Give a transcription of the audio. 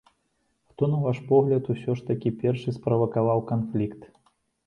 Хто, на ваш погляд, усё ж такі першы справакаваў канфлікт?